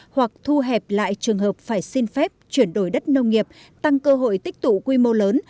hoặc thu hẹp lại trường hợp phải xin phép chuyển đổi đất nông nghiệp tăng cơ hội tích tụ quy mô lớn